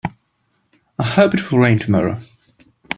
I hope it will rain tomorrow.